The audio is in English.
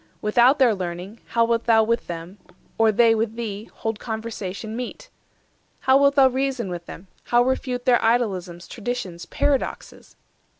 230 Without their learning, how wilt thou with them, Or they with thee, hold conversation meet? How wilt thou reason with them, how refute Their idolisms, traditions, paradoxes?